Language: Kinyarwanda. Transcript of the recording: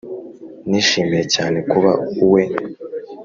nishimiye cyane kuba uwe.